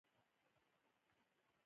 اوبه د ژوند اساس دي.